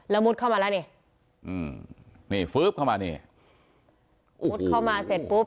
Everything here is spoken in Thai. แล้วมุดเข้ามาแล้วนี่อืมนี่ฟื๊บเข้ามานี่มุดเข้ามาเสร็จปุ๊บ